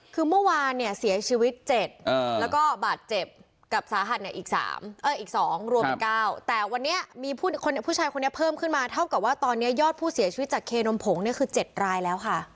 คือเมื่อวานเนี่ยเสียชีวิต๗แล้วก็บาดเจ็บกับสาหัสเนี่ยอีก๒รวมเป็น๙แต่วันนี้มีผู้ชายคนนี้เพิ่มขึ้นมาเท่ากับว่าตอนนี้ยอดผู้เสียชีวิตจากเคนมผงเนี่ยคือ๗รายแล้วค่ะ